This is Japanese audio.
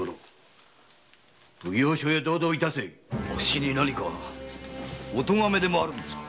あっしに何かお咎めでもあるんですか？